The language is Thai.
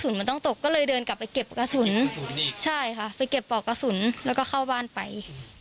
ใช่ค่ะไปเก็บปอกกระสุนแล้วก็เข้าบ้านไป